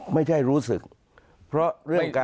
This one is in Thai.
ไม่ใช่รู้สึกเพราะเรื่องการ